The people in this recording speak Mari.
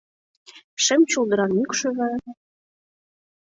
Шем шулдыран мӱкшыжӧ